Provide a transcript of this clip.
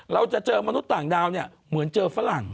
เราจะเจอมนุษย์ต่างดาวเนี่ยเหมือนเจอฝรั่ง